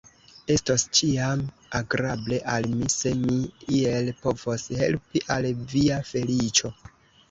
Estos ĉiam agrable al mi, se mi iel povos helpi al via feliĉo.